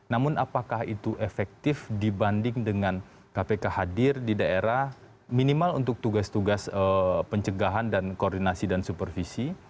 namun apakah itu efektif dibanding dengan kpk hadir di daerah minimal untuk tugas tugas pencegahan dan koordinasi dan supervisi